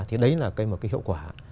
thì đấy là một cái hiệu quả